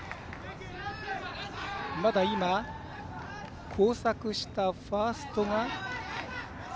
まだ交錯したファーストが。